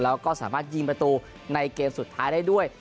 แล้วก็สามารถยิงประตูในเกมสุดท้ายได้ด้วย